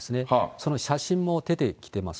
その写真も出てきてます。